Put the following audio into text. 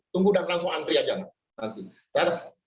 tunggu dan langsung antri aja nanti